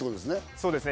そうですね